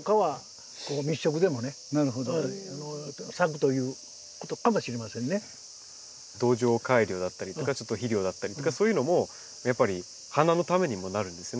畑ということですから土壌改良だったりとか肥料だったりとかそういうのもやっぱり花のためにもなるんですね。